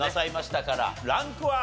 ランクは？